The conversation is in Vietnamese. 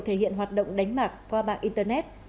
thể hiện hoạt động đánh bạc qua mạng internet